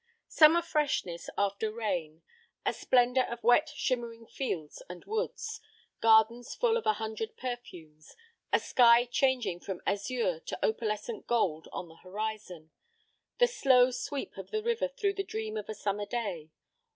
XII Summer freshness after rain, a splendor of wet shimmering fields and woods, gardens full of a hundred perfumes, a sky changing from azure to opalescent gold on the horizon. The slow sweep of the river through the dream of a summer day.